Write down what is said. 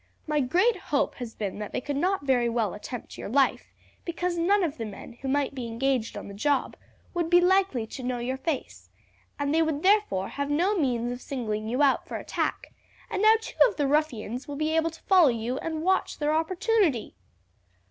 My great hope has been that they could not very well attempt your life, because none of the men who might be engaged on the job would be likely to know your face, and they would therefore have no means of singling you out for attack; and now two of the ruffians will be able to follow you and watch their opportunity."